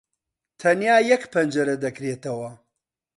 تەنیا یەک پەنجەرە دەکرێتەوە.